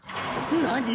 なに？